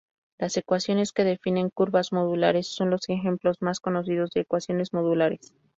Las ecuaciones que definen curvas modulares son los ejemplos más conocidos de ecuaciones modulares.